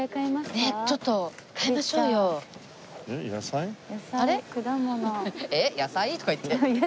「えっ野菜？」とか言って。